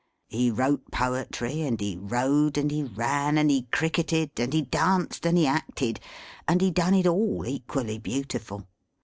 He wrote poetry, and he rode, and he ran, and he cricketed, and he danced, and he acted, and he done it all equally beautiful.